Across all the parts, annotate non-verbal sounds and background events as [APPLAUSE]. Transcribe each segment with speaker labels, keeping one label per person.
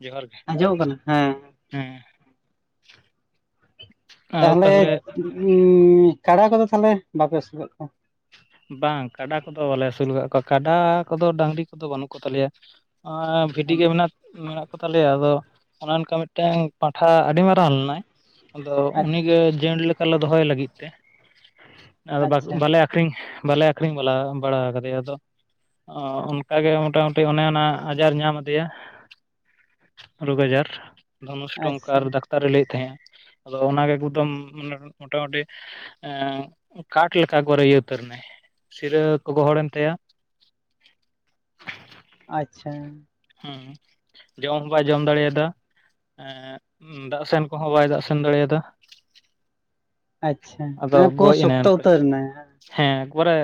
Speaker 1: ᱡᱚᱦᱟᱨ ᱜᱮ
Speaker 2: ᱟᱸᱡᱚᱢᱚᱜ ᱠᱟᱱᱟ, ᱦᱮᱸ
Speaker 1: ᱦᱮᱸ
Speaker 2: ᱛᱟᱦᱚᱞᱮ ᱩᱸᱻ ᱠᱟᱰᱟ ᱠᱚᱫᱚ ᱛᱟᱦᱚᱞᱮ ᱵᱟᱯᱮ ᱟᱹᱥᱩᱞᱮᱜ ᱠᱚᱣᱟ
Speaker 1: ᱵᱟᱝ ᱠᱟᱰᱟ ᱠᱚᱫᱚ ᱵᱟᱞᱮ ᱟᱹᱥᱩᱞ ᱠᱟᱜ ᱠᱚᱣᱟ ᱠᱟᱰᱟ ᱠᱚᱫᱚ ᱰᱟᱹᱟᱝᱨᱤ ᱠᱚᱫᱚ ᱵᱟᱹᱱᱩᱜ ᱠᱚᱛᱟᱞᱮᱭᱟ ᱟᱸ ᱵᱷᱤᱰᱤᱜ ᱜᱮ ᱢᱮᱱᱟᱜ ᱢᱮᱱᱟᱜ ᱠᱚᱛᱟᱞᱮᱭᱟ, ᱟᱫᱚ ᱚᱱᱟ ᱚᱱᱠᱟ ᱢᱤᱫᱴᱟᱝ ᱯᱟᱱᱴᱷᱟ ᱟᱹᱰᱤ ᱢᱟᱨᱟᱝ ᱞᱮᱱᱟᱭ᱾ ᱟᱫᱚ
Speaker 2: ᱟᱪᱪᱷᱟ
Speaker 1: ᱩᱱᱤᱜᱮ ᱡᱮᱱᱴ ᱞᱮᱠᱟᱞᱮ ᱫᱚᱦᱚᱭ ᱞᱟᱹᱜᱤᱫ ᱛᱮ᱾ ᱟᱫᱚ ᱵᱟᱠ
Speaker 2: ᱟᱪᱪᱷᱟ
Speaker 1: ᱵᱟᱞᱮ ᱟ ᱟᱠᱷᱨᱤᱧ ᱵᱟᱞᱮ ᱟᱠᱷᱨᱤᱧ ᱵᱟᱞᱟ ᱵᱟᱲᱟ ᱠᱟᱫᱮᱭᱟ ᱟᱫᱚ᱾ ᱚ ᱚᱱᱠᱟᱜᱮ ᱢᱚᱴᱟᱢᱩᱴᱤ ᱚᱱᱮ ᱚᱱᱟ ᱟᱡᱟᱨ ᱧᱟᱢ ᱟᱫᱮᱭᱟ᱾ ᱨᱳᱜᱽ ᱟᱡᱟᱨ ᱫᱷᱚᱱᱩᱥ ᱴᱚᱝᱠᱟ ᱟᱨ
Speaker 2: ᱟᱪᱪᱷᱟ
Speaker 1: ᱰᱟᱠ ᱛᱟᱨ ᱨᱮ ᱞᱟᱹᱭᱮᱫ ᱛᱟᱦᱮᱸᱼᱟ, ᱟᱫᱚ ᱚᱱᱟ ᱜᱮ ᱮᱠᱫᱚᱢᱮ ᱢᱚᱴᱟᱢᱩᱴᱤ ᱮᱸᱜ ᱠᱟᱴ ᱞᱮᱠᱟ ᱜᱚᱨᱮ ᱤᱭᱟᱹ ᱩᱛᱟᱹᱨ ᱱᱟᱭ, ᱥᱤᱨᱟᱹ ᱠᱚ ᱜᱚᱦᱚᱲᱮᱱ ᱛᱟᱭᱟ,
Speaker 2: ᱟᱪᱪᱷᱟ᱾
Speaker 1: ᱦᱮᱸ ᱡᱚᱢ ᱦᱚᱸ ᱵᱟᱭ ᱡᱚᱢ ᱫᱟᱲᱮᱭᱟᱫᱟᱸ᱾ ᱮ ᱫᱟᱜ ᱥᱮᱱ ᱠᱚᱦᱚᱸ ᱵᱟᱭ ᱫᱟᱜ ᱥᱮᱱ ᱫᱟᱲᱮᱭ ᱟᱫᱟ᱾
Speaker 2: ᱟᱪᱪᱷᱟ ᱢᱟᱱᱮ ᱯᱳ
Speaker 1: ᱜᱚᱡ ᱮᱱᱟᱭ
Speaker 2: ᱥᱚᱠᱛᱚ
Speaker 1: ᱚᱱᱠᱟ
Speaker 2: ᱩᱛᱟᱹᱨᱱᱟ
Speaker 1: ᱦᱮᱸ ᱜᱚᱨᱮ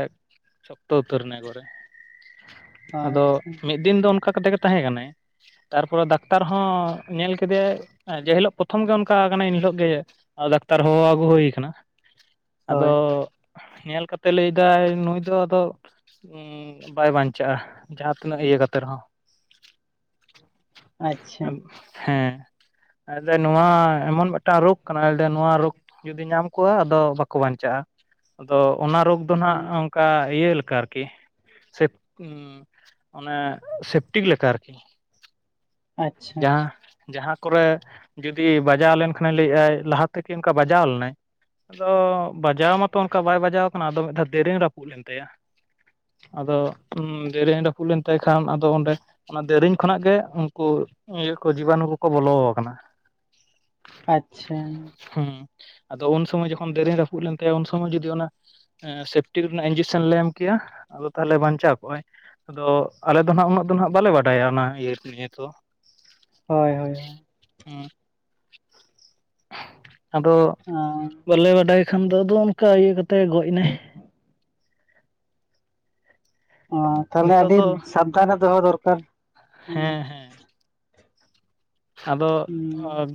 Speaker 1: ᱥᱚᱠᱛᱚ ᱩᱛᱟᱹᱨ ᱮᱱᱟ ᱜᱚᱨᱮ ᱟᱫᱚ
Speaker 2: ᱟᱪᱪᱷᱟ
Speaker 1: ᱢᱤᱫ ᱫᱤᱱ ᱫᱚ ᱚᱱᱠᱟ ᱠᱟᱛᱮᱜ ᱜᱮ ᱛᱟᱦᱮᱸ ᱠᱟᱱᱟ᱾ ᱛᱟᱨᱯᱚᱨᱮ ᱫᱟᱠᱛᱟᱨ ᱦᱚᱸ ᱧᱮᱞ ᱠᱮᱫᱮᱟᱭ ᱡᱮ ᱦᱤᱞᱳᱜ ᱯᱨᱚᱛᱷᱚᱢ ᱜᱮ ᱚᱱᱠᱟ ᱠᱟᱱᱟ ᱮᱱᱦᱤᱞᱳᱜ ᱜᱮ ᱫᱟᱠᱛᱟᱨ ᱦᱚᱸ ᱟᱹᱜᱩ ᱦᱩᱭ ᱠᱟᱱᱟ
Speaker 2: ᱦᱳᱭ
Speaker 1: ᱟᱫᱚ ᱧᱮᱞ ᱠᱟᱛᱮᱜ ᱞᱟᱹᱭ ᱫᱟᱭ ᱱᱩᱭ ᱫᱚ ᱟᱫᱚ ᱵᱟᱭ ᱵᱟᱧᱪᱟᱜ-ᱟ ᱡᱟᱦᱟᱸ ᱛᱤᱱᱟᱹᱜ ᱤᱭᱟᱹ ᱠᱟᱛᱮ ᱨᱮᱦᱚᱸ
Speaker 2: ᱟᱪᱪᱷᱟ
Speaker 1: [UNINTELLIGIBLE] ᱦᱮᱸ ᱱᱚᱣᱟ ᱮᱢᱚᱱ ᱢᱤᱫᱴᱟᱝ ᱨᱳᱜᱽ ᱠᱟᱱᱟ ᱱᱚᱣᱟ ᱨᱳᱜ ᱡᱩᱫᱤ ᱧᱟᱢ ᱠᱚᱣᱟ ᱟᱫᱚ ᱵᱟᱠᱚ ᱵᱟᱧᱪᱟᱜ-ᱟ ᱟᱫᱚ ᱚᱱᱟ ᱨᱳᱜᱽ ᱫᱚ ᱦᱟᱸᱜ ᱚᱱᱠᱟ ᱤᱭᱟᱹ ᱞᱮᱠᱟ ᱟᱨᱠᱤ ᱚᱱᱮ ᱴᱤᱠ ᱞᱮᱠᱟ ᱟᱨᱠᱤ
Speaker 2: ᱟᱪᱪᱷᱟ
Speaker 1: ᱡᱟᱦᱟᱸ ᱡᱟᱦᱟᱸ ᱠᱚᱨᱮ ᱡᱩᱫᱤ ᱵᱟᱡᱟᱣ ᱞᱮᱱᱠᱷᱟᱱᱮ ᱞᱟᱹᱭᱮᱫ ᱟᱭ ᱞᱟᱦᱟ ᱛᱮᱠᱤ ᱚᱱᱠᱟ ᱵᱟᱡᱟᱣ ᱞᱮᱱᱟᱭ᱾ ᱟᱫᱚ ᱵᱟᱡᱟᱣ ᱢᱟᱛᱚ ᱚᱱᱠᱟ ᱵᱟᱭ ᱵᱟᱡᱟᱣ ᱠᱟᱱᱟ ᱟᱫᱚ ᱢᱤᱫ ᱫᱷᱟᱣ ᱫᱮᱨᱤᱧ ᱨᱟᱹᱯᱩᱫ ᱞᱮᱱ ᱛᱟᱭᱟ᱾ ᱟᱫᱚ ᱫᱮᱨᱤᱱ ᱨᱟᱹᱯᱩᱫ ᱞᱮᱱ ᱛᱟᱭ ᱠᱷᱟᱱ ᱟᱫᱚ ᱚᱸᱰᱮ ᱚᱱᱟ ᱫᱮᱨᱮᱧ ᱠᱷᱚᱱᱟᱜ ᱜᱮ ᱩᱱᱠᱩ ᱤᱭᱟᱹ ᱠᱚ ᱡᱤᱵᱟᱱᱩ ᱠᱚᱠᱚ ᱵᱚᱞᱚ ᱠᱟᱱᱟ᱾
Speaker 2: ᱟᱪᱪᱷᱟ
Speaker 1: ᱦᱩᱸ ᱟᱫᱚ ᱩᱱ ᱥᱚᱢᱚᱭ ᱡᱚᱠᱷᱚᱱ ᱫᱮᱨᱮᱱ ᱨᱟᱹᱯᱩᱫ ᱞᱮᱱ ᱛᱟᱭᱟ ᱩᱱ ᱥᱚᱢᱚᱭ ᱡᱩᱫᱤ ᱚᱱᱟ, ᱥᱮᱯᱴᱤ ᱨᱮᱱᱟᱜ ᱤᱧᱡᱮᱠᱥᱮᱱ ᱞᱮ ᱮᱢ ᱠᱮᱭᱟ ᱟᱫᱚ ᱛᱟᱦᱚᱞᱮ ᱵᱟᱧᱪᱟᱣ ᱠᱚᱜ-ᱟᱭ ᱟᱫᱚ ᱟᱞᱮ ᱫᱚ ᱦᱟᱸᱜ ᱩᱱᱟᱹᱜ ᱫᱚ ᱦᱟᱸᱜ ᱵᱟᱞᱮ ᱵᱟᱰᱟᱭᱟ ᱚᱱᱟ ᱤᱭᱟᱹ ᱱᱤᱭᱟᱹ ᱫᱚ᱾
Speaker 2: ᱦᱳᱭ ᱦᱳᱭ
Speaker 1: ᱦᱩᱸ ᱟᱫᱚ
Speaker 2: [UNINTELLIGIBLE]
Speaker 1: ᱵᱟᱞᱮ ᱵᱟᱰᱟᱭ ᱠᱷᱟᱱ ᱫᱚ ᱟᱫᱚ ᱚᱱᱠᱟ ᱤᱭᱟᱹ ᱠᱟᱛᱮ ᱜᱚᱡ ᱮᱱᱟᱭ᱾
Speaker 2: ᱚ ᱛᱟᱦᱚᱞᱮ
Speaker 1: ᱱᱤᱛᱚᱜ
Speaker 2: ᱟᱹᱰᱤ
Speaker 1: ᱫᱚ
Speaker 2: ᱥᱟᱵᱫᱟᱱᱮ ᱫᱚᱦᱚ ᱫᱚᱨᱠᱟᱨ,
Speaker 1: ᱦᱮᱸ ᱦᱮᱸ ᱟᱫᱚ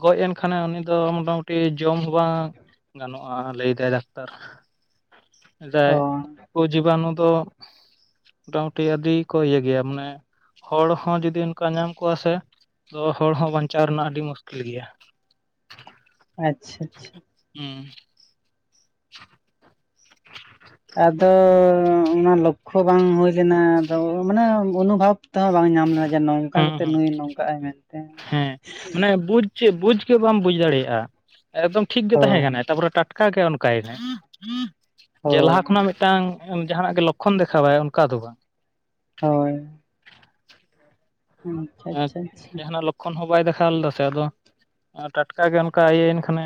Speaker 1: ᱜᱚᱡ ᱮᱱ ᱠᱷᱟᱱᱮ ᱩᱱᱤ ᱫᱚ ᱢᱚᱴᱟᱢᱩᱴᱤ ᱡᱚᱢ ᱦᱚᱸ ᱵᱟᱝ ᱜᱟᱱᱚᱜᱼᱟ᱾ ᱞᱟᱹᱭᱫᱟᱭ ᱰᱟᱠᱛᱟᱨ ᱞᱮᱫᱟᱭ
Speaker 2: ᱚ
Speaker 1: ᱩᱱᱠᱩ ᱡᱤᱵᱟᱱᱩ ᱫᱚ, ᱢᱚᱴᱟᱢᱩᱴᱤ ᱟᱹᱰᱤ ᱠᱚ ᱤᱭᱟᱹ ᱜᱮᱭᱟ ᱢᱟᱱᱮ, ᱦᱚᱲ ᱦᱚᱸ ᱡᱩᱫᱤ ᱚᱱᱠᱟ ᱧᱟᱢ ᱠᱚᱜᱼᱟ ᱥᱮ ᱛᱚ, ᱦᱚᱲ ᱦᱚᱸ ᱵᱟᱧᱪᱟᱣ ᱨᱮᱱᱟᱜ ᱟᱹᱰᱤ ᱢᱩᱥᱠᱤᱞ ᱜᱮᱭᱟ᱾
Speaker 2: ᱟᱪᱪᱷᱟ ᱟᱪᱪᱷᱟ
Speaker 1: ᱦᱩᱸ [INAUDIBLE]
Speaker 2: ᱟᱫᱚ ᱚᱱᱟ ᱞᱚᱠᱠᱷᱚ ᱵᱟᱝ ᱦᱩᱭ ᱞᱮᱱᱟ ᱟᱫᱚ ᱢᱟᱱᱮ ᱚᱱᱩᱵᱷᱷᱟᱵ ᱛᱮᱦᱚᱸ ᱵᱟᱝ ᱧᱟᱢ ᱞᱮᱱᱟ ᱡᱮ ᱱᱚᱝᱠᱟ
Speaker 1: ᱦᱩᱸ
Speaker 2: ᱠᱟᱛᱮ
Speaker 1: ᱦᱩᱸ
Speaker 2: ᱱᱩᱭ ᱱᱚᱝᱠᱟᱜ ᱟᱭ ᱢᱮᱱᱛᱮ᱾
Speaker 1: ᱪᱮᱫ ᱵᱩᱡ ᱜᱮ ᱵᱟᱢ ᱵᱩᱡ ᱫᱟᱲᱮᱭᱟᱜᱼᱟ ᱮᱠᱫᱚᱢ ᱴᱷᱤᱠ ᱜᱮ
Speaker 2: ᱦᱳᱭ
Speaker 1: ᱛᱟᱦᱮᱸ ᱠᱟᱱᱟᱭ ᱛᱟᱯᱚᱨᱮ ᱴᱟᱴᱠᱟ ᱚᱱᱠᱟ ᱜᱮ ᱚᱱᱠᱟᱭ ᱮᱱᱟᱭ ᱡᱮ
Speaker 2: ᱦᱳᱭ
Speaker 1: ᱞᱟᱦᱟ ᱠᱷᱚᱱᱟᱜ ᱢᱤᱫᱴᱟᱝ ᱡᱟᱦᱟᱱᱟᱜ ᱜᱮ ᱞᱚᱠᱠᱷᱚᱱ ᱫᱮᱠᱷᱟᱣᱟᱭ ᱚᱱᱠᱟ ᱫᱚ ᱵᱟᱝ
Speaker 2: ᱦᱳᱭ ᱟᱪᱪᱷᱟ ᱟᱪᱪᱷᱟ ᱟᱪᱪᱷᱟ
Speaker 1: ᱡᱟᱦᱟᱱᱟᱜ ᱞᱚᱠᱠᱷᱚᱱ ᱦᱚᱸ ᱵᱟᱭ ᱫᱮᱠᱷᱟᱣ ᱞᱮᱫᱟ ᱥᱮ ᱟᱫᱚ ᱴᱟᱴᱠᱟᱜ ᱜᱮ ᱚᱱᱠᱟ ᱤᱭᱟᱹᱭᱮᱱ ᱠᱷᱟᱱᱮ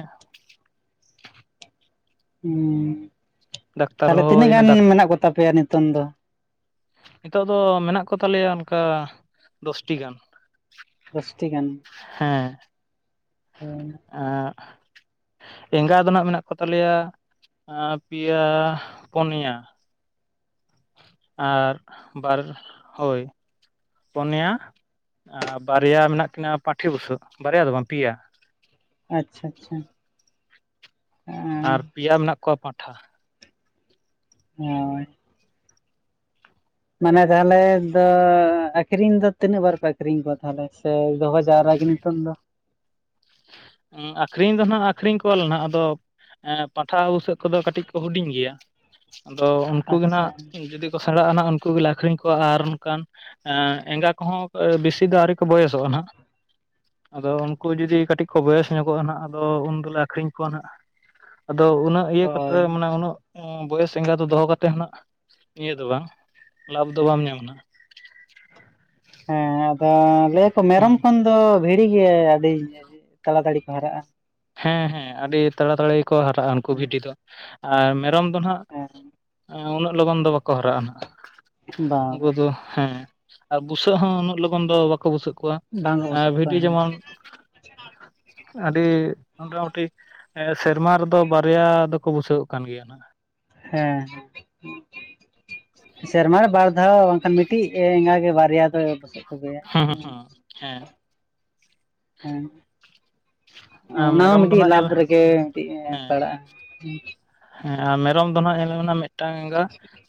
Speaker 2: ᱦᱩᱸ
Speaker 1: ᱰᱟᱠᱛᱟᱨ
Speaker 2: ᱛᱟᱦᱚᱞᱮ ᱛᱤᱱᱟᱹᱜ
Speaker 1: ᱦᱚᱦᱚᱭᱮᱱᱟ
Speaker 2: ᱜᱟᱱ
Speaker 1: ᱰᱟᱠᱛᱟᱨ
Speaker 2: ᱢᱮᱱᱟᱜ ᱠᱚᱛᱟ ᱯᱮᱭᱟ ᱱᱤᱛᱚᱝ ᱫᱚ
Speaker 1: ᱱᱤᱛᱚᱜ ᱫᱚ ᱢᱮᱱᱟᱜ ᱠᱚᱛᱟᱞᱮᱭᱟ ᱚᱱᱠᱟ ᱫᱚᱥᱴᱤ ᱜᱟᱱ
Speaker 2: ᱫᱚᱥᱴᱤ ᱜᱟᱱ
Speaker 1: ᱦᱮᱸ ᱮᱸᱜ ᱮᱸᱜᱟ ᱫᱚ ᱱᱟᱜ ᱢᱮᱱᱟᱜ ᱠᱚᱛᱟ ᱞᱮᱭᱟ ᱯᱮᱭᱟ ᱯᱚᱱᱭᱟ ᱟᱨ ᱵᱟᱨ ᱦᱳᱭ ᱯᱚᱱᱭᱟ ᱟᱨ ᱵᱟᱨᱭᱟ ᱢᱮᱱᱟᱜ ᱠᱤᱱᱟᱹ ᱯᱟᱴᱷᱤ ᱵᱩᱥᱟᱹᱜ ᱵᱟᱨᱭᱟ ᱫᱚ ᱵᱟᱝ ᱯᱮᱭᱟ
Speaker 2: ᱟᱪᱪᱷᱟ ᱟᱪᱪᱷᱟ
Speaker 1: ᱟᱨ ᱯᱮᱭᱟ ᱢᱮᱱᱟᱜ ᱠᱚᱣᱟ ᱯᱟᱸᱴᱷᱟ
Speaker 2: ᱦᱳᱭ ᱢᱟᱱᱮ ᱛᱟᱦᱚᱞᱮ ᱫᱚ ᱟᱠᱠᱷᱨᱤᱧ ᱫᱚ ᱛᱤᱱᱟᱹᱜ ᱵᱟᱨ ᱯᱮ ᱟᱠᱷᱨᱤᱧ ᱠᱚᱣᱟ ᱛᱟᱦᱞᱮ ᱥᱮ ᱫᱚᱦᱚ ᱡᱟᱣᱨᱟ ᱱᱤᱛᱚᱝ ᱫᱚ
Speaker 1: ᱟᱹᱠᱷᱨᱤᱧ ᱫᱚ ᱦᱟᱸᱜ ᱟᱠᱠᱷᱨᱤᱧ ᱠᱚᱣᱟᱞᱮ ᱱᱟᱜ ᱟᱫᱚ ᱯᱟᱸᱴᱷᱟ ᱵᱩᱥᱟᱹᱜ ᱠᱚᱫᱚ ᱠᱟᱹᱴᱤᱡ ᱠᱚ ᱦᱩᱰᱤᱧ ᱜᱮᱭᱟ ᱟᱫᱚ ᱩᱱᱠᱩ ᱜᱮ
Speaker 2: ᱟᱪᱪᱷᱟ
Speaker 1: ᱱᱟᱜ ᱡᱩᱫᱤ ᱥᱮᱬᱟᱜᱼᱟ ᱩᱱᱠᱩ ᱜᱮᱞᱮ ᱟᱠᱠᱷᱨᱤᱧ ᱠᱚᱣᱟ ᱟᱨ ᱚᱱᱠᱟᱱ ᱮᱸᱜᱟ ᱠᱚᱦᱚᱸ ᱵᱮᱥᱤ ᱫᱚ ᱟᱹᱣᱨᱤ ᱠᱚ ᱵᱚᱭᱮᱥᱚᱜᱼᱟ ᱱᱟᱜ ᱟᱫᱚ ᱩᱱᱠᱩ ᱡᱩᱫᱤ ᱠᱟᱹᱴᱤᱡ ᱠᱚ ᱵᱚᱭᱮᱥ ᱧᱚᱜᱚᱜᱼᱟ ᱱᱟᱦᱟᱜ ᱟᱫᱚ ᱩᱱ ᱫᱚᱞᱮ ᱟᱹᱠᱷᱨᱤᱧ ᱠᱚᱣᱟ ᱱᱟᱦᱟᱜ ᱟᱫᱚ ᱩᱱᱟᱹᱜ ᱤᱭᱟᱹ ᱠᱚᱛᱮ
Speaker 2: ᱦᱳᱭ
Speaker 1: ᱢᱟᱱᱮ ᱩᱱᱟᱹᱜ ᱵᱚᱭᱮᱥ ᱮᱸᱜᱟ ᱫᱚ ᱫᱚᱦᱚ ᱠᱟᱛᱮᱫ ᱱᱟᱜ ᱤᱭᱟᱹ ᱫᱚ ᱵᱟᱝ ᱞᱟᱵᱷ ᱫᱚ ᱵᱟᱢ ᱧᱟᱢ ᱱᱟᱦᱟᱜ
Speaker 2: ᱦᱮᱸ ᱟᱫᱚ ᱞᱟᱹᱭᱟᱠᱚ ᱢᱮᱨᱚᱢ
Speaker 1: ᱦᱩᱸ
Speaker 2: ᱠᱷᱚᱱ ᱫᱚ ᱵᱷᱤᱲᱤ ᱜᱮ ᱟᱹᱰᱤ ᱛᱟᱲᱟᱛᱟᱲᱤ ᱠᱚ ᱦᱟᱨᱟᱜᱼᱟ
Speaker 1: ᱦᱮᱸ ᱦᱮᱸ ᱟᱹᱰᱤ ᱛᱟᱲᱟᱛᱟᱲᱤ ᱜᱮᱠᱚ ᱦᱟᱨᱟᱜᱼᱟ ᱩᱱᱠᱩ ᱵᱷᱤᱰᱤ ᱫᱚ ᱟᱨ ᱢᱮᱨᱚᱢ ᱟᱫᱚ ᱱᱟᱜ ᱩᱱᱟᱹᱜ ᱞᱚᱜᱚᱱ ᱫᱚ ᱵᱟᱠᱚ ᱦᱟᱨᱟᱜᱼᱟ ᱱᱟᱜ
Speaker 2: ᱦᱮᱸ ᱵᱟᱝ
Speaker 1: ᱩᱱᱠᱩ ᱫᱚ ᱦᱮᱸ ᱟᱨ ᱵᱩᱥᱟᱹᱜ ᱦᱚᱸ ᱩᱱᱟᱹᱜ ᱞᱚᱜᱚᱱ ᱫᱚ ᱵᱟᱠᱚ ᱵᱩᱥᱟᱹᱜ ᱠᱚᱣᱟ
Speaker 2: ᱵᱟᱝ ᱠᱚ ᱵᱩᱥᱟᱹᱜ ᱠᱚᱣᱟ
Speaker 1: ᱵᱷᱤᱰᱤ
Speaker 2: ᱦᱮᱸ
Speaker 1: ᱡᱮᱢᱚᱱ ᱟᱹᱰᱤ ᱢᱚᱴᱟᱢᱩᱴᱤ ᱥᱮᱨᱢᱟ ᱨᱮᱫᱚ ᱵᱟᱨᱭᱟ ᱫᱚᱠᱚ ᱵᱩᱥᱟᱹᱜ ᱠᱟᱱ ᱜᱮᱭᱟ ᱱᱟᱜ
Speaker 2: ᱦᱮᱸ ᱥᱮᱨᱢᱟ ᱵᱟᱨ ᱫᱷᱟᱣ ᱵᱟᱝᱠᱷᱟᱱ ᱢᱤᱫᱴᱤᱡ ᱮᱸᱜᱟ ᱜᱮ ᱵᱟᱨᱭᱟ ᱫᱚ
Speaker 1: ᱦᱩᱸ ᱦᱩᱸ ᱦᱩᱸ ᱦᱮᱸ
Speaker 2: ᱦᱩᱸ
Speaker 1: ᱟᱨ
Speaker 2: ᱚᱱᱟ ᱦᱚᱸ
Speaker 1: ᱢᱮᱨᱚᱢ ᱫᱚ
Speaker 2: ᱢᱤᱫᱴᱤᱡ
Speaker 1: ᱱᱟᱜ ᱧᱮᱞ
Speaker 2: ᱞᱟᱵᱷ ᱨᱮᱜᱮ ᱢᱤᱫᱴᱤᱡ
Speaker 1: ᱦᱮᱸ
Speaker 2: ᱯᱟᱲᱟᱜᱼᱟ
Speaker 1: ᱦᱮᱸ ᱟᱨ ᱢᱮᱨᱚᱢ ᱫᱚᱦᱟᱜ ᱧᱮᱞᱮᱢᱮ ᱢᱤᱫᱴᱟᱝ ᱮᱸᱜᱟ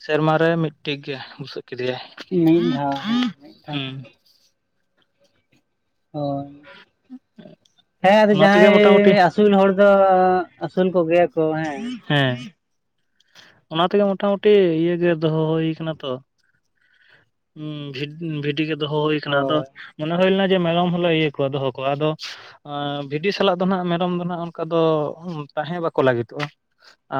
Speaker 1: ᱥᱮᱨᱢᱟ ᱨᱮ ᱢᱤᱫᱴᱤᱡ ᱜᱮ ᱵᱩᱥᱟᱹᱜ ᱠᱮᱫᱮᱭᱟᱭ᱾
Speaker 2: ᱢᱤᱫ ᱫᱷᱟᱣ ᱦᱮᱸ ᱢᱤᱫ ᱫᱷᱟᱣ
Speaker 1: ᱦᱩᱸ
Speaker 2: ᱦᱳᱭ ᱦᱮᱸ ᱟᱫᱚ
Speaker 1: ᱚᱱᱟ ᱛᱮᱜᱮ
Speaker 2: ᱡᱟᱦᱟᱸᱭ
Speaker 1: ᱢᱚᱴᱟᱢᱩᱴᱤ
Speaker 2: ᱟᱹᱥᱩᱞ ᱦᱚᱲ ᱫᱚ ᱟᱹᱥᱩᱞ ᱠᱚᱜᱮᱭᱟ ᱠᱚ ᱦᱮᱸ
Speaker 1: ᱦᱮᱸ ᱚᱱᱟ ᱛᱮᱜᱮ ᱢᱚᱴ ᱢᱩᱴᱤ ᱤᱭᱟᱹ ᱜᱮ ᱫᱚᱦᱚ ᱦᱩᱭ ᱟᱠᱟᱱᱟᱛᱚ ᱦᱩᱸ ᱵᱷᱤᱰᱤ ᱜᱮ ᱫᱚᱦᱚ ᱦᱩᱭ ᱟᱠᱟᱱᱟ ᱟᱫᱚ
Speaker 2: ᱦᱳᱭ
Speaker 1: ᱢᱚᱱᱮ ᱦᱩᱭ ᱞᱮᱱᱟ ᱡᱮ ᱢᱮᱨᱚᱢ ᱦᱚᱞᱮ ᱤᱭᱟᱹ ᱠᱚᱣᱟ ᱫᱚᱦᱚ ᱠᱚᱣᱟ ᱟᱫᱚ ᱵᱷᱤᱰᱤ ᱥᱟᱞᱟᱜ ᱫᱚ ᱦᱟᱸᱜ ᱢᱮᱨᱚᱢ ᱫᱚ ᱦᱟᱸᱜ ᱚᱱᱠᱟ ᱫᱚ ᱛᱟᱦᱮᱸ ᱵᱟᱠᱚ ᱞᱟᱹᱜᱤᱫᱚᱜᱼᱟ᱾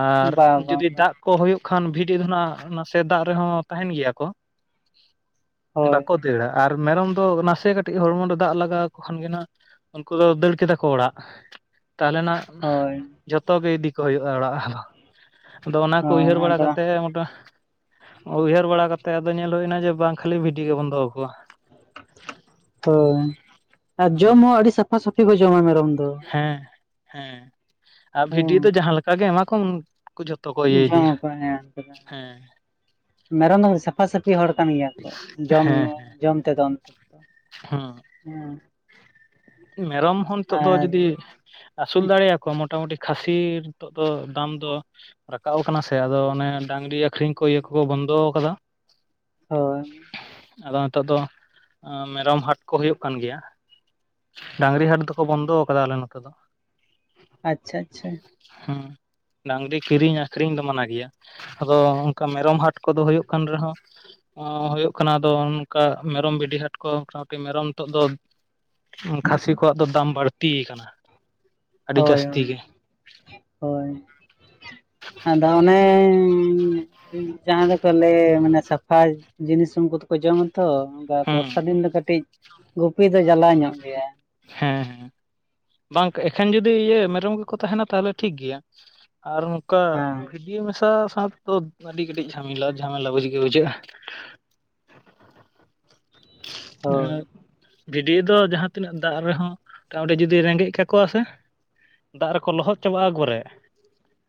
Speaker 1: ᱟᱨ
Speaker 2: ᱵᱟ ᱵᱟ
Speaker 1: ᱡᱩᱫᱤ
Speaker 2: ᱵᱟ
Speaker 1: ᱫᱟᱜ ᱠᱚ ᱦᱩᱭᱩᱜ ᱠᱷᱟᱱ ᱵᱷᱤᱰᱤ ᱫᱚ ᱱᱟᱜ ᱱᱟᱥᱮ ᱫᱟᱜ ᱨᱮᱦᱚᱸ ᱛᱟᱦᱮᱱ ᱜᱮᱭᱟ ᱠᱚ
Speaker 2: ᱦᱳᱭ
Speaker 1: ᱵᱟᱠᱚ ᱫᱟᱹᱲᱟ ᱟᱨ ᱢᱮᱨᱚᱢ ᱫᱚ ᱱᱟᱥᱮ ᱠᱟᱹᱴᱤᱡ ᱦᱚᱲᱢᱚ ᱨᱮ ᱫᱟᱜ ᱞᱟᱜᱟᱣ ᱟᱠᱚ ᱠᱷᱟᱱ ᱜᱮᱱᱟᱜ ᱩᱱᱠᱩ ᱫᱚ ᱫᱟᱹᱲ ᱠᱮᱫᱟ ᱠᱚ ᱚᱲᱟᱜ ᱛᱟᱦᱚᱞᱮᱱᱟᱜ
Speaker 2: ᱦᱳᱭ
Speaker 1: ᱡᱚᱛᱚ ᱜᱮ ᱤᱫᱤ ᱠᱚ ᱦᱩᱭᱩᱜᱼᱟ ᱚᱲᱟᱜ ᱦᱚᱸ ᱟᱫᱚ ᱚᱱᱟ ᱠᱚ
Speaker 2: ᱦᱳᱭ
Speaker 1: ᱩᱭᱦᱟᱹᱨ ᱵᱟᱲᱟ
Speaker 2: ᱟᱫᱚ
Speaker 1: ᱠᱟᱛᱮᱫ ᱢᱚᱴᱟ ᱩᱭᱦᱟᱹᱨ ᱵᱟᱲᱟ ᱠᱟᱛᱮᱜ ᱟᱫᱚ ᱧᱮᱞ ᱦᱩᱭ ᱮᱱᱟ ᱡᱮ ᱵᱟᱝ ᱠᱷᱟᱹᱞᱤ ᱵᱷᱤᱰᱤ ᱜᱮᱵᱚᱱ ᱫᱚᱦᱚ ᱠᱚᱣᱟ᱾
Speaker 2: ᱛᱚ ᱟᱨ ᱡᱚᱢ ᱦᱚᱸ ᱟᱹᱰᱤ ᱥᱟᱯᱷᱟ ᱥᱟᱹᱯᱷᱤ ᱠᱚ ᱡᱚᱢᱟ ᱢᱮᱨᱚᱢ ᱫᱚ᱾
Speaker 1: ᱦᱮᱸ ᱦᱮᱸ ᱟᱨ
Speaker 2: ᱦᱮᱸ
Speaker 1: ᱵᱷᱤᱰᱤ ᱫᱚ ᱡᱟᱦᱟᱸ ᱞᱮᱠᱟ ᱜᱮ ᱮᱢᱟ ᱠᱚᱢ ᱩᱱ ᱩᱠᱩ ᱡᱚᱛᱚ ᱠᱚ ᱤᱭᱟᱹ
Speaker 2: ᱡᱚᱢ
Speaker 1: ᱤᱫᱤᱭᱟ,
Speaker 2: ᱟᱠᱚ ᱦᱮᱸ ᱩᱱᱠᱩ ᱫᱚ
Speaker 1: ᱦᱮᱸ᱾
Speaker 2: ᱢᱮᱨᱚᱢ ᱫᱚ ᱥᱟᱯᱷᱟ ᱥᱟᱯ ᱯᱤ ᱦᱚᱲ ᱠᱟᱱ ᱜᱮᱭᱟ ᱠᱚ ᱡᱚᱢ ᱧᱩ
Speaker 1: ᱦᱮᱸ
Speaker 2: ᱡᱚᱢ ᱛᱮᱫᱚ,
Speaker 1: ᱦᱮᱸ
Speaker 2: ᱦᱩᱸ᱾
Speaker 1: ᱢᱮᱨᱚᱢ ᱦᱚᱸ ᱱᱤᱛᱚᱜ ᱫᱚ
Speaker 2: ᱟᱨ
Speaker 1: ᱡᱩᱫᱤ ᱟᱹᱥᱩᱞ ᱫᱟᱲᱮᱭᱟ ᱠᱚᱣᱟᱢ ᱢᱚᱴᱟᱢᱩᱴᱤ ᱠᱷᱟᱹᱥᱤ ᱱᱤᱛᱚᱜ ᱫᱚ ᱫᱟᱢ ᱫᱚ ᱨᱟᱠᱟᱵ ᱟᱠᱟᱱᱟ ᱥᱮ ᱟᱫᱚ ᱚᱱᱮ ᱰᱟᱝᱨᱤ ᱟᱠᱷᱨᱤᱧ ᱠᱚ ᱤᱭᱟᱹ ᱠᱚᱠᱚ ᱵᱚᱱᱫᱚ ᱟᱠᱟᱫᱟ᱾
Speaker 2: ᱦᱳᱭ
Speaker 1: ᱟᱫᱚ ᱱᱤᱛᱚᱜ ᱫᱚ ᱢᱮᱨᱚᱢ ᱦᱟᱴ ᱠᱚ ᱦᱩᱭᱩᱜ ᱠᱟᱱ ᱜᱮᱭᱟ᱾ ᱰᱟᱝᱨᱤ ᱦᱟᱴ ᱫᱚᱠᱚ ᱵᱚᱱᱫᱚ ᱟᱠᱟᱫᱟ ᱟᱞᱮ ᱱᱚᱛᱮ ᱫᱚ᱾
Speaker 2: ᱟᱪᱪᱷᱟ ᱟᱪᱪᱷᱟ
Speaker 1: ᱦᱩᱸ ᱰᱟᱝᱨᱤ ᱠᱤᱨᱤᱧ ᱟᱠᱷᱨᱤᱧ ᱫᱚ ᱢᱟᱱᱟ ᱜᱮᱭᱟ᱾ ᱟᱫᱚ ᱚᱱᱠᱟ ᱢᱮᱨᱚᱢ ᱦᱟᱴ ᱠᱚᱫᱚ ᱦᱩᱭᱩᱜ ᱠᱟᱱ ᱨᱮᱦᱚᱸ ᱦᱩᱭᱩᱜ ᱠᱟᱱᱟ ᱟᱫᱚ ᱚᱱᱠᱟ ᱢᱮᱨᱚᱢ ᱵᱷᱤᱰᱤ ᱦᱟᱴ ᱠᱚ ᱢᱚᱴᱟᱢᱩᱴᱤ ᱢᱮᱨᱚᱢ ᱱᱤᱛᱚᱜ ᱫᱚ ᱠᱷᱟᱹᱥᱤ ᱠᱚᱣᱟᱜ ᱫᱚ ᱫᱟᱢ ᱵᱟᱲᱛᱤ ᱟᱠᱟᱱᱟ᱾ ᱟᱹᱰᱤ
Speaker 2: ᱦᱳᱭ
Speaker 1: ᱡᱟᱹᱥᱛᱤ ᱜᱮ
Speaker 2: ᱦᱳᱭ ᱦᱳᱭ, ᱟᱫᱚ ᱚᱱᱮ ᱡᱟᱦᱟᱸ ᱫᱚ ᱠᱚ ᱞᱟᱹᱭ ᱢᱟᱱᱮ ᱥᱟᱯᱷᱟ ᱡᱤᱱᱤᱥ ᱩᱱᱠᱩ ᱫᱚᱠᱚ ᱡᱚᱢ-ᱟ ᱛᱚ᱾
Speaker 1: ᱦᱩᱸ ᱦᱮᱸ
Speaker 2: ᱵᱚᱨᱥᱟ ᱫᱤᱱ ᱫᱚ ᱠᱟᱹᱴᱤᱡ ᱜᱩᱯᱤ ᱫᱚ ᱡᱟᱞᱟ ᱧᱚᱜ ᱜᱮᱭᱟ᱾
Speaker 1: ᱦᱮᱸ ᱦᱮᱸ ᱵᱟᱝ ᱮᱠᱷᱮᱱ ᱡᱩᱫᱤ ᱤᱭᱟᱹ ᱢᱮᱨᱚᱢ ᱜᱮᱠᱚ ᱛᱟᱦᱮᱸᱱᱟ ᱛᱟᱦᱚᱞᱮ ᱴᱷᱤᱠ ᱜᱮᱭᱟ ᱟᱨ ᱱᱚᱝᱠᱟ
Speaker 2: ᱦᱮᱸ
Speaker 1: ᱵᱷᱤ ᱤᱭᱟᱹ ᱢᱮᱥᱟ ᱥᱟᱶ ᱫᱚ ᱟᱹᱰᱤ ᱠᱟᱹᱴᱤᱡ ᱡᱷᱟᱢᱮᱞᱟ ᱡᱷᱟᱢᱮᱞᱟ ᱵᱩᱡᱽ ᱜᱮ ᱵᱩᱡᱷᱟᱹᱜᱼᱟ᱾ [INAUDIBLE]
Speaker 2: ᱦᱳᱭ
Speaker 1: ᱟᱸ ᱵᱷᱤᱰᱤ ᱫᱚ ᱡᱟᱦᱟᱸ ᱛᱤᱱᱟᱹᱜ ᱫᱟᱜ ᱨᱮᱦᱚᱸ ᱢᱚᱴᱟᱢᱩᱴᱤ ᱡᱩᱫᱤ ᱡᱩᱫᱤ ᱨᱮᱸᱜᱮᱡ ᱠᱟᱠᱚᱣᱟ ᱥᱮ ᱫᱟᱜ ᱨᱮᱠᱚ ᱞᱚᱦᱚᱫ ᱪᱟᱵᱟᱜᱼᱟ ᱜᱚᱨᱮ᱾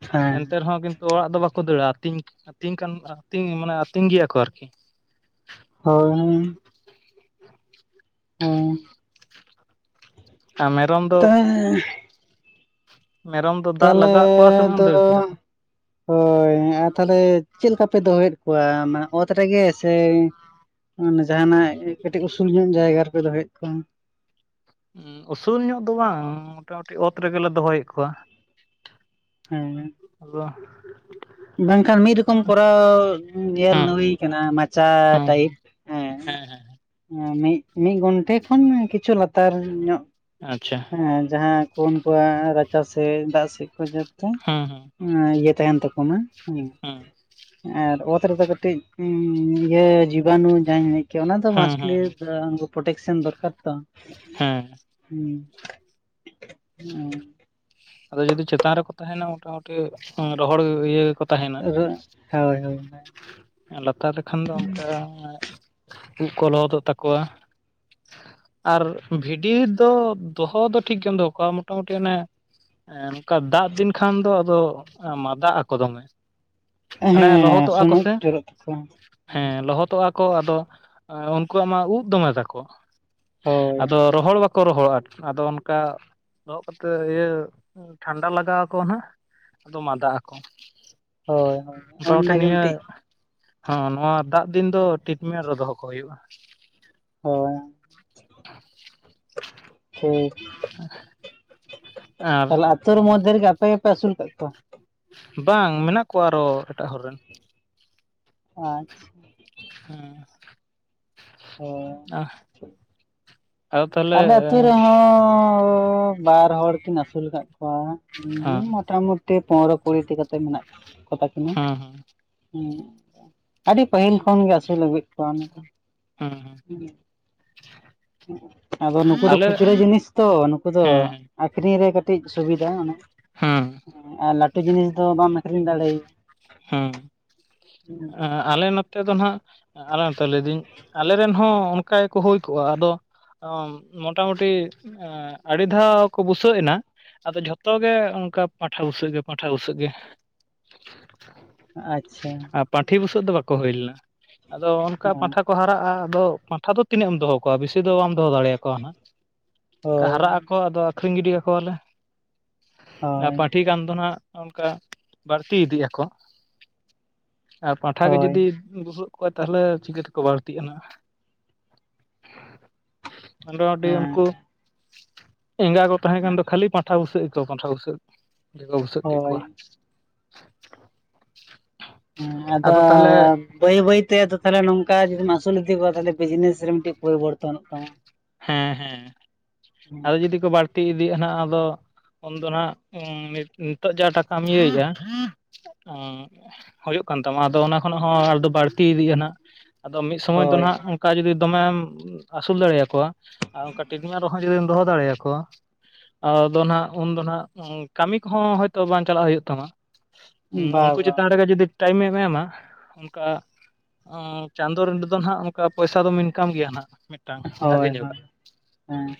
Speaker 2: ᱦᱮᱸ
Speaker 1: ᱛᱮ ᱨᱮᱦᱚᱸ ᱠᱤᱱᱛᱩ ᱚᱲᱟᱜ ᱫᱚ ᱵᱟᱠᱚ ᱫᱟᱹᱲᱟ᱾ ᱟᱹᱛᱤᱧ ᱟᱹᱛᱤᱧᱠᱟᱱ ᱟᱹᱛᱤᱧ ᱢᱟᱱᱮ ᱟᱹᱛᱤᱧ ᱜᱮᱭᱟ ᱠᱚ ᱟᱨᱠᱤ᱾
Speaker 2: ᱦᱳᱭ ᱦᱮᱸ
Speaker 1: ᱛᱟᱢᱮᱫ
Speaker 2: ᱛᱟᱦᱮᱸᱻ
Speaker 1: ᱢᱮᱨᱚᱢ ᱫᱚ ᱫᱟᱜ
Speaker 2: ᱛᱟᱦᱞᱮ
Speaker 1: ᱞᱟᱜᱟᱣᱟᱜ ᱠᱚᱣᱟ ᱥᱮ ᱵᱟᱝ
Speaker 2: ᱫᱚ
Speaker 1: ᱫᱟᱹᱲ ᱠᱮᱫᱟ ᱠᱚ
Speaker 2: ᱦᱳᱭ ᱟᱨ ᱛᱟᱦᱚᱞᱮ ᱪᱮᱫ ᱞᱮᱠᱟ ᱯᱮ ᱫᱚᱦᱚᱭᱮᱫ ᱠᱚᱣᱟ? ᱢᱟᱱᱮ ᱚᱛ ᱨᱮᱜᱮ ᱥᱮ ᱢᱟᱱᱮ ᱡᱟᱦᱟᱸᱱᱟᱜ ᱠᱟᱹᱴᱤᱡ ᱩᱥᱩᱞ ᱧᱚᱜ ᱡᱟᱭᱜᱟ ᱨᱮᱯᱮ ᱫᱚᱦᱚᱭᱮᱫ ᱠᱚᱣᱟ᱾
Speaker 1: ᱩᱸ ᱩᱥᱩᱞ ᱧᱚᱜ ᱫᱚ ᱵᱟᱝ ᱢᱚᱴᱟᱢᱩᱴᱤ ᱚᱛ ᱨᱮᱜᱮᱞᱮ ᱫᱚᱦᱚᱭᱮᱫ ᱠᱚᱣᱟ᱾
Speaker 2: ᱦᱮᱸ
Speaker 1: ᱟᱫᱚ
Speaker 2: ᱵᱟᱝᱠᱷᱟᱱ ᱢᱤᱫ ᱨᱚᱠᱚᱢ ᱠᱚᱨᱟᱣ ᱧᱮᱞ
Speaker 1: ᱦᱮᱸ
Speaker 2: ᱦᱩᱭ ᱠᱟᱱᱟ ᱢᱟᱪᱟ
Speaker 1: ᱦᱮᱸ
Speaker 2: ᱴᱟᱭᱤᱯ᱾
Speaker 1: ᱦᱮᱸ ᱦᱮᱸ
Speaker 2: ᱚᱸ ᱢᱤᱜ ᱢᱤᱜ ᱜᱷᱚᱱᱴᱮ ᱠᱷᱚᱱ ᱠᱤᱹᱪᱷᱩ ᱞᱟᱛᱟᱨ ᱧᱚᱜ
Speaker 1: ᱟᱪᱪᱷᱟ
Speaker 2: ᱮᱸ ᱡᱟᱦᱟᱸ ᱠᱚ ᱩᱱᱠᱩᱣᱟᱜ ᱨᱟᱪᱟ ᱥᱮ ᱫᱟᱜ ᱥᱮᱫ ᱠᱚ ᱡᱚᱛᱚ
Speaker 1: ᱦᱮᱸ ᱦᱮᱸ
Speaker 2: ᱚᱸ ᱤᱭᱟᱹ ᱛᱟᱭᱚᱢ ᱛᱮᱠᱚ ᱮᱢᱟ ᱦᱮᱸ ᱟᱨ ᱚᱛ ᱨᱮᱫᱚ ᱠᱟᱹᱴᱤᱡ ᱦᱩᱸᱻ ᱤᱭᱟᱹ ᱡᱤᱵᱟᱱᱩ ᱡᱟᱦᱟᱸᱧ ᱢᱮᱱ ᱠᱮᱭᱟ ᱚᱱᱟ ᱫᱚ
Speaker 1: ᱦᱮᱸ
Speaker 2: ᱢᱟᱥᱴᱞᱤ
Speaker 1: ᱦᱮᱸ ᱦᱮᱸ
Speaker 2: ᱯᱨᱚᱴᱮᱠᱥᱮᱱ ᱫᱚᱨᱠᱟᱨ ᱛᱚ᱾
Speaker 1: ᱦᱮᱸ
Speaker 2: ᱦᱮᱸ [UNINTELLIGIBLE]
Speaker 1: ᱟᱫᱚ ᱡᱚᱫᱤ ᱪᱮᱛᱟᱱ ᱨᱮᱠᱚ ᱛᱟᱦᱮᱸᱱᱟ ᱢᱚᱴᱟᱢᱩᱴᱤ ᱨᱚᱦᱚᱲ ᱤᱭᱟᱹ ᱜᱮᱠᱚ ᱛᱟᱦᱮᱱᱟ
Speaker 2: ᱟᱫᱚ ᱦᱳᱭ ᱦᱳᱭ,
Speaker 1: ᱞᱟᱛᱟᱨ ᱞᱮᱹᱠᱷᱟᱱ ᱫᱚ ᱚᱱᱠᱟᱹ ᱩᱵ ᱠᱚ ᱞᱚᱦᱚᱫᱚᱼᱜ ᱛᱟᱠᱚᱣᱼᱟ ᱟᱨ ᱵᱷᱤᱰᱤ ᱫᱚ ᱫᱚᱦᱚ ᱫᱚ ᱴᱷᱤᱠᱹ ᱜᱮᱢ ᱫᱚᱦᱚ ᱠᱚᱣᱟᱹ ᱢᱚᱴᱟᱢᱩᱴᱤ ᱚᱼᱱᱮ ᱦᱮᱸ ᱚᱱᱠᱟ ᱫᱟᱜ ᱫᱤᱱᱹ ᱠᱷᱟᱱᱹ ᱫᱚ ᱟᱼᱫᱚ ᱢᱟ ᱫᱟᱜ ᱟᱠᱚ ᱫᱚ ᱢᱮ ᱟᱱᱮ
Speaker 2: ᱦᱮᱸ
Speaker 1: ᱞᱚᱦᱚᱫᱚᱜᱼᱟ ᱠᱚ
Speaker 2: ᱥᱩᱱᱩᱡ
Speaker 1: ᱥᱮ
Speaker 2: ᱡᱚᱨᱚᱜ ᱛᱟᱠᱚᱣᱟ
Speaker 1: ᱦᱮᱸ ᱞᱚᱦᱚᱫᱚᱜᱼᱟ ᱩᱠᱚ ᱟᱼᱫᱚ ᱩᱱᱠᱩᱹᱣᱟᱜ ᱢᱟ ᱩᱵ ᱫᱚ ᱢᱮ ᱛᱟᱠᱚ
Speaker 2: ᱦᱳᱭ
Speaker 1: ᱟᱼᱫᱚ ᱨᱚᱦᱚᱲᱹ ᱵᱟᱠᱚ ᱨᱚᱦᱚᱲᱼᱟ ᱟᱼᱫᱚ ᱚᱱᱠᱟᱹ ᱫᱚᱦᱚᱜ ᱠᱟᱛᱮᱫ ᱤᱭᱟᱹ ᱠᱷᱟᱱ ᱰᱟ ᱞᱟᱜᱟᱼᱣ ᱟᱠᱚ ᱦᱟᱸᱜ ᱟᱼᱫᱚ ᱢᱟᱫ ᱟᱼᱠᱚ
Speaker 2: ᱦᱳᱭ ᱦᱳᱭ
Speaker 1: ᱥᱟᱶᱹᱛᱮ
Speaker 2: ᱚᱱᱟᱜᱮ
Speaker 1: ᱱᱤᱭᱟᱹ
Speaker 2: ᱢᱤᱫᱴᱤᱡ
Speaker 1: ᱦ ᱱᱚᱣᱟ ᱫᱟᱜ ᱫᱤᱱᱹ ᱫᱚ ᱴᱤᱴᱢᱮᱱᱴ ᱨᱮ ᱫᱚᱹᱦᱚᱸ ᱠᱚ ᱦᱩᱭᱩᱜᱼᱟ
Speaker 2: ᱦᱳᱭᱸ
Speaker 1: [INAUDIBLE]
Speaker 2: ᱴᱷᱤᱠ
Speaker 1: ᱟᱨ
Speaker 2: ᱛᱟᱦᱞᱮ ᱟᱛᱳ ᱨᱮ ᱢᱚᱫᱽᱫᱷᱮ ᱨᱮᱹᱜᱮ ᱟᱼᱯᱮ ᱜᱮ ᱯᱮ ᱟᱹᱥᱩᱞ ᱠᱟᱜ ᱠᱚᱣᱟᱹ
Speaker 1: ᱵᱟᱝ ᱢᱮᱱᱟᱜ ᱠᱚᱣᱟᱹ ᱟᱨᱚ ᱮᱴᱟᱜ ᱦᱚᱨ ᱨᱮᱱ
Speaker 2: ᱟᱼᱪᱷᱟ
Speaker 1: ᱦᱮᱸ
Speaker 2: ᱚᱦᱸ
Speaker 1: ᱚᱦᱸ
Speaker 2: ᱟᱞᱮ ᱟᱛᱳ ᱨᱮᱦᱚᱸ ᱵᱟᱨ ᱦᱚᱲ ᱠᱤᱱ ᱟᱹᱥᱩᱞ ᱟᱼᱠᱟᱫ ᱠᱚᱣᱼᱟ ᱦᱮᱸ ᱢᱳᱚᱴᱟᱢᱩᱴᱤ ᱯᱚᱱᱨᱚ ᱠᱩᱲᱤ ᱠᱟᱹᱛᱮ ᱢᱮᱱᱟᱜᱼᱟᱹ ᱠᱚᱛᱟ ᱠᱤᱱᱟᱹ
Speaker 1: ᱦᱮᱸ
Speaker 2: ᱦᱮ ᱟᱹᱰᱤ ᱯᱟᱹᱦᱤᱞ ᱠᱷᱚᱱ ᱜᱮ ᱟᱹᱥᱩᱞ ᱞᱟᱹᱜᱤᱫ ᱠᱚᱹᱣᱟᱢ
Speaker 1: ᱦᱮᱸ ᱦᱮᱸ
Speaker 2: ᱟᱼᱫᱚ ᱱᱩᱠᱩ ᱫᱚ
Speaker 1: ᱟᱞᱮ
Speaker 2: ᱠᱷᱩᱪᱨᱟᱹ ᱡᱤᱱᱤᱥ ᱛᱚ ᱱᱩᱠᱩ ᱫᱚ
Speaker 1: ᱦᱮᱸ
Speaker 2: ᱟᱹᱠᱷᱨᱤᱧ ᱨᱮ ᱠᱟᱹᱴᱤᱡ ᱥᱩᱵᱤᱫᱷᱟ ᱚᱱᱟ
Speaker 1: ᱦᱮᱸ
Speaker 2: ᱟᱨ ᱞᱟᱹᱴᱩ ᱡᱤᱱᱤᱥ ᱫᱚ ᱵᱟᱢ ᱟᱹᱠᱷᱨᱤᱧ ᱫᱟᱲᱮᱭᱟ
Speaker 1: ᱦᱮᱸ ᱟᱼᱞᱮ ᱱᱚᱛᱮ ᱫᱚ ᱱᱟᱜ ᱟᱮ ᱱᱛᱚ ᱞᱟᱹᱭᱫᱟᱹᱧ ᱟᱼᱞᱮᱨᱮᱱ ᱦᱚᱸ ᱚᱱᱹᱠᱟ ᱜᱮ ᱠᱚ ᱦᱩᱭ ᱠᱚᱜᱼᱟ ᱟᱼᱫᱚ ᱢᱚᱴᱟᱢᱩᱴᱤ ᱟᱹᱰᱤ ᱫᱷᱟᱼᱣ ᱠᱚ ᱵᱩᱥᱟᱹᱜ ᱮᱱᱟᱹᱧ ᱟᱼᱫᱚ ᱡᱷᱚᱛᱚ ᱜᱮ ᱚᱱᱠᱟ ᱯᱟᱸᱴᱷᱟ ᱵᱩᱥᱟᱹᱜ ᱜᱮ ᱯᱟᱸᱴᱷᱟ ᱵᱩᱥᱟᱹᱜ ᱜᱮ
Speaker 2: ᱟᱪᱪᱷᱟ
Speaker 1: ᱟᱨ ᱯᱟᱱᱴᱷᱤ ᱵᱩᱥᱟᱹᱜ ᱫᱚ ᱵᱟᱠᱚ ᱦᱩᱭ ᱞᱮᱱᱟᱹᱧ ᱟᱼᱫᱚ ᱚᱱᱠᱟᱹ
Speaker 2: ᱦᱮᱸ
Speaker 1: ᱯᱟᱱᱴᱷᱟ ᱠᱚ ᱠᱚ ᱦᱟᱨᱟᱜᱼᱟ ᱟᱼᱫᱚ ᱯᱟᱱᱴᱷᱟ ᱫᱚ ᱛᱤᱱᱟᱹᱜ ᱮᱢ ᱫᱚ ᱦᱚᱸ ᱠᱚᱣᱟᱹ ᱵᱮᱥᱤ ᱫᱚ ᱵᱟᱢ ᱫᱚ ᱦᱚᱸ ᱫᱟᱲᱮᱭ ᱟᱼᱠᱚᱣᱟ ᱦᱱᱟᱜ
Speaker 2: ᱦᱳᱭ
Speaker 1: ᱦᱟᱨᱟᱜ ᱟᱠ ᱠᱚ ᱟᱼᱫᱚ ᱟᱹᱠᱷᱨᱤᱧ ᱜᱤᱰᱤ ᱠᱟᱠᱚᱣᱟᱹᱞᱮ ᱟᱨ
Speaker 2: ᱦᱳᱭ
Speaker 1: ᱯᱟᱹᱴᱷᱤ ᱠᱟᱱ ᱫᱚ ᱱᱟᱜ ᱚᱱᱠᱟᱹ ᱵᱟᱹᱲᱛᱤ ᱤᱫᱤᱜ ᱟᱠᱚ ᱟᱨ ᱯᱟᱸᱴᱷᱟ ᱜᱮ
Speaker 2: ᱦᱳᱭ
Speaker 1: ᱡᱩᱫᱤ ᱵᱩᱥᱟᱹᱜ ᱠᱚᱣᱟᱹ ᱛᱟᱦᱞᱮ ᱪᱤᱠᱟᱹ ᱛᱮ ᱠᱚ ᱵᱟᱹᱲᱛᱤᱜᱼᱟ ᱦ ᱟᱸᱫᱚ ᱟᱰᱤ
Speaker 2: ᱦᱮᱸ
Speaker 1: ᱩᱱᱠᱩ ᱮᱸᱜᱟ ᱠᱚ ᱛᱟᱦᱮᱸ ᱠᱟᱱ ᱫᱚ ᱠᱷᱟᱹᱞᱤ ᱯᱟᱱᱴᱷᱟ ᱵᱩᱥᱟᱹᱜ ᱜᱮ ᱠᱚ ᱯᱟᱱᱴᱷᱟ ᱵᱩᱥᱟᱹᱜ ᱠᱮᱫ ᱯᱟᱴᱷᱟ ᱵᱩᱥᱟᱹᱜ ᱠᱮᱫ
Speaker 2: ᱦᱳᱭ
Speaker 1: ᱠᱚᱣᱟ
Speaker 2: ᱦᱮᱸ
Speaker 1: [UNINTELLIGIBLE]
Speaker 2: ᱦᱮᱸ ᱟᱫᱚ ᱵᱟᱹᱭ ᱵᱟᱹᱭ ᱛᱮ ᱟᱫᱚ ᱛᱟᱻᱞᱮ ᱱᱚᱝᱠᱟ ᱡᱩᱫᱤᱢ ᱟᱹᱥᱩᱞ ᱤᱫᱤ ᱠᱚᱣᱟ ᱛᱟᱻᱞᱮ ᱵᱤᱡᱱᱮᱥ ᱨᱮ ᱢᱤᱫᱴᱮᱡ ᱯᱚᱨᱤᱵᱚᱨᱛᱚᱱᱚᱜ ᱛᱟᱢᱟ
Speaker 1: ᱦᱮᱸ ᱦᱮᱸ ᱟᱫᱚ ᱡᱩᱫᱤ ᱠᱚ ᱵᱟᱹᱲᱛᱤ ᱤᱫᱤᱜ ᱟᱱᱟᱜ ᱟᱫᱚ ᱩᱱ ᱫᱦᱚ ᱱᱟᱜ ᱱᱤᱛᱚᱜ ᱡᱟᱦᱟᱸᱴᱟᱠᱟᱢ ᱤᱭᱟᱹᱭᱮᱜ ᱟ ᱦᱩᱭᱩᱜ ᱠᱟᱱ ᱛᱟᱢᱟ ᱟᱫᱚ ᱚᱱᱟ ᱠᱷᱚᱱ ᱦᱚᱸ ᱟᱫᱚ ᱵᱟᱹᱲᱛᱤ ᱤᱫᱤᱜᱼᱟ ᱱᱟᱜ ᱟᱫᱚ ᱢᱤᱫ ᱥᱚᱢᱚᱭ ᱫᱚ
Speaker 2: ᱦᱳᱭ ᱦᱳᱭ
Speaker 1: ᱱᱟᱜ ᱚᱱᱠᱟ ᱡᱩᱫᱤ ᱫᱚᱢᱮᱢ ᱟᱹᱥᱩᱞ ᱫᱟᱲᱮᱭᱟᱠᱚᱣᱟ ᱟᱨ ᱚᱱᱠᱟ ᱴᱤᱠᱱᱟ. ᱨᱮᱦᱚᱸ ᱡᱩᱫᱤᱢ ᱫᱚᱦᱚ ᱫᱟᱨᱮ ᱟᱠᱚᱣᱟ ᱟᱫᱚ ᱱᱟᱜ ᱩᱱᱫᱚ ᱱᱟᱜ ᱠᱟᱹᱢᱤ ᱠᱚᱦᱚᱸ ᱦᱳᱭᱛᱳ ᱵᱟᱝ ᱪᱟᱞᱟᱜ ᱦᱩᱭᱩᱜ ᱛᱟᱢᱟ ᱦᱮᱸ
Speaker 2: ᱵᱟ
Speaker 1: ᱩᱱᱠᱩ
Speaker 2: ᱵᱟ
Speaker 1: ᱪᱮᱛᱟᱱ ᱨᱮᱜᱮ ᱡᱩᱫᱤ ᱴᱟᱭᱤᱢ ᱮᱢ ᱮᱢᱟ ᱚᱱᱠᱟ ᱦᱸ ᱪᱟᱸᱫᱚ ᱨᱮᱫᱦᱚ ᱱᱟᱸᱜ ᱚᱱᱠᱟ ᱯᱚᱭᱥᱟ. ᱫᱚᱢ ᱤᱱᱠᱟᱢ ᱜᱮᱭᱟ ᱱᱟᱸᱜ ᱢᱤᱫᱴᱟᱝ ᱵᱷᱟᱜᱮ
Speaker 2: ᱦᱳᱭ
Speaker 1: ᱧᱚᱜ
Speaker 2: ᱦᱮᱸ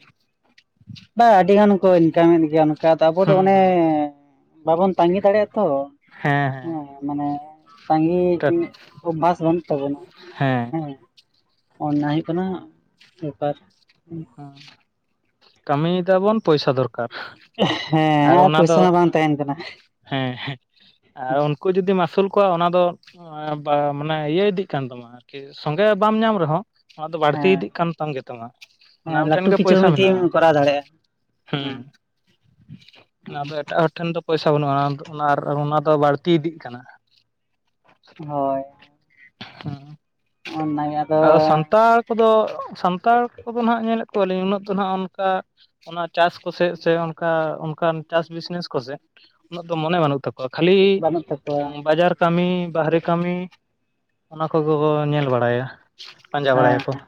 Speaker 2: ᱵᱟ ᱟᱹᱰᱤ ᱜᱟᱱ ᱠᱚ ᱤᱱᱠᱟᱢᱮᱫ ᱜᱮᱭᱟ ᱚᱱᱠᱟ ᱫᱚ ᱟᱵᱚ ᱫᱚ
Speaker 1: ᱦᱩᱸ
Speaker 2: ᱚᱱᱮ
Speaker 1: ᱦᱩᱸ
Speaker 2: ᱵᱟᱵᱚᱱ ᱛᱟᱸᱜᱤ ᱫᱟᱲᱮᱭᱟᱜᱼᱟ ᱛᱚ ᱦᱮᱸ ᱢᱟᱱᱮ ᱛᱟᱸᱜᱤ
Speaker 1: ᱦᱮᱸ
Speaker 2: ᱚᱵᱵᱷᱟᱥ ᱵᱟᱹᱱᱩᱜ ᱛᱟᱵᱚᱱᱟ ᱦᱮᱸ ᱚᱱᱱᱟ ᱦᱩᱭᱩᱜ ᱠᱟᱱᱟ ᱵᱮᱯᱟᱨ
Speaker 1: ᱦᱚᱸ ᱠᱟᱹᱢᱤ ᱮᱫᱟᱵᱚᱱ ᱯᱚᱭᱥᱟ ᱫᱚᱨᱠᱟᱨ ᱾
Speaker 2: ᱦᱮᱸ ᱟᱨ ᱯᱚᱭᱥᱟ ᱦᱚᱸ ᱵᱟᱝ ᱛᱟᱦᱮᱱ ᱠᱟᱱᱟ ᱾
Speaker 1: ᱦᱮᱸ ᱦᱮᱸᱜ ᱟᱨ ᱩᱱᱠᱩ ᱡᱩᱫᱤᱢ ᱟᱹᱥᱩᱞ ᱠᱚᱣᱟ ᱚᱱᱟ ᱫᱚ ᱢᱟᱱᱮ ᱤᱭᱟᱹ ᱤᱫᱤᱜ ᱠᱟᱱ ᱛᱟᱢᱟ ᱟᱨ ᱠᱤ ᱥᱚᱸᱜᱮ ᱵᱟᱢ ᱧᱟᱢ ᱨᱮᱦᱚᱸ ᱚᱱᱟ ᱫᱚ ᱵᱟᱹᱲᱛᱤ
Speaker 2: ᱦᱮᱸ
Speaker 1: ᱤᱫᱤᱜ ᱠᱟᱱ ᱜᱮᱛᱟᱢᱟ ᱾ ᱚᱱᱟ
Speaker 2: ᱦᱮᱸ
Speaker 1: ᱟᱢ ᱴᱷᱮᱱ
Speaker 2: ᱞᱟᱹᱴᱩ
Speaker 1: ᱜᱮ
Speaker 2: ᱠᱤᱪᱷᱩ
Speaker 1: ᱯᱚᱭᱥᱟ
Speaker 2: ᱢᱤᱫᱴᱤᱡ
Speaker 1: ᱢᱮᱱᱟᱜᱼᱟ,
Speaker 2: ᱮᱢ ᱠᱚᱨᱟᱣ ᱫᱟᱲᱮᱭᱟᱜᱼᱟ
Speaker 1: ᱦᱩᱸ
Speaker 2: ᱦᱮᱸ
Speaker 1: ᱟᱫᱚ ᱮᱴᱟᱜ ᱦᱚᱲ ᱴᱷᱮᱱ ᱫᱚ ᱯᱚᱭᱥᱟ ᱵᱟᱹᱱᱩᱜᱼᱟ ᱟᱨ ᱚᱱᱟ ᱫᱚ ᱵᱟᱹᱲᱛᱤ ᱤᱫᱤᱜ ᱠᱟᱱᱟ ᱾
Speaker 2: ᱦᱳᱭ
Speaker 1: ᱦᱩᱸ
Speaker 2: ᱚᱱ ᱚᱱᱟᱜᱮ ᱟᱫᱚᱻ
Speaker 1: ᱛᱟᱲ ᱠᱚᱫᱚ ᱥᱟᱱᱛᱟᱲ ᱠᱚᱫᱚ ᱱᱟᱜ ᱧᱮᱞᱮᱫ ᱠᱚᱣᱟᱞᱤᱧ ᱩᱱᱟᱹᱜ ᱫᱚ ᱱᱟᱦᱟᱜ ᱚᱱᱠᱟ ᱚᱱᱟ ᱪᱟᱥ ᱠᱚᱥᱮ ᱥᱮ ᱚᱱᱠᱟ ᱚᱱᱠᱟᱱ ᱪᱟᱥ ᱵᱤᱡᱱᱮᱥ ᱠᱚᱥᱮ ᱩᱱᱟᱹᱜ ᱫᱚ ᱢᱚᱱᱮ ᱵᱟᱹᱱᱩᱜ ᱛᱟᱠᱚᱣᱟ ᱾ ᱠᱷᱟᱹᱞᱤ
Speaker 2: ᱵᱟᱹᱱᱩᱜ ᱛᱟᱠᱚᱣᱟ
Speaker 1: ᱵᱟᱡᱟᱨ ᱠᱟᱹᱢᱤ ᱵᱟᱦᱨᱮ ᱠᱟᱹᱢᱤ ᱚᱱᱟ ᱠᱚᱜᱮ ᱠᱚ ᱧᱮᱞ ᱵᱟᱲᱟᱭᱟ ᱯᱟᱸᱡᱟ ᱵᱟᱲᱟᱭ ᱟᱠᱚ
Speaker 2: ᱦᱮᱸ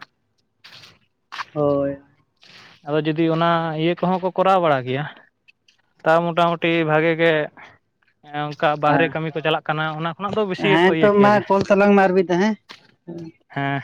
Speaker 2: ᱦᱳᱭ
Speaker 1: ᱟᱫᱚ ᱡᱩᱫᱤ ᱚᱱᱟ ᱤᱭᱟᱹ ᱠᱚᱦᱚᱸ ᱠᱚ ᱠᱚᱨᱟᱣ ᱵᱟᱲᱟ ᱜᱮᱭᱟ ᱾ ᱛᱟᱣ ᱢᱚᱴᱟ ᱢᱩᱩᱴᱤ ᱵᱷᱟᱜᱮ ᱮᱸ ᱵᱟᱦᱨᱮ
Speaker 2: ᱦᱮᱸ
Speaker 1: ᱠᱟᱹᱢᱤ ᱠᱚ ᱪᱟᱞᱟᱜ ᱠᱟᱱᱟ ᱚᱱᱟ ᱠᱷᱚᱱᱟᱜ ᱫᱚ ᱵᱮᱥᱤ ᱜᱮᱠᱚ
Speaker 2: ᱦᱮᱸ
Speaker 1: ᱤᱭᱟᱹ
Speaker 2: ᱛᱚ
Speaker 1: ᱠᱮᱭᱟ
Speaker 2: ᱢᱟ
Speaker 1: ᱡᱮ,
Speaker 2: ᱠᱚᱞ ᱛᱟᱞᱟᱝ ᱢᱮ ᱟᱨ ᱢᱤᱫ ᱫᱷᱟᱣ ᱦᱮᱸ
Speaker 1: ᱦᱮᱸ